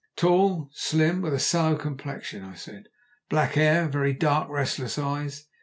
"Tall, slim, with a sallow complexion," I said, "black hair and very dark restless eyes.